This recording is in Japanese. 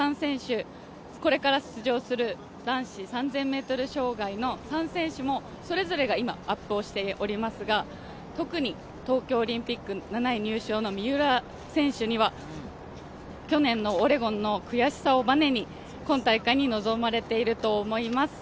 これから出場する男子３０００ｍ障害の３選手もそれぞれが今、アップをしておりますが特に東京オリンピック７位入賞の三浦選手には去年のオレゴンの悔しさをバネに今大会に臨まれていると思います。